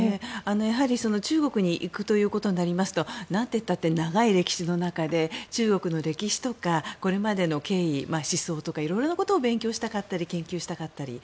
やはり中国に行くということになりますとなんていったって長い歴史の中で中国の歴史とかこれまでの経緯思想とか色々なことを勉強したかったり研究したかったり。